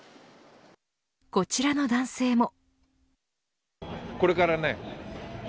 こちらの男性も。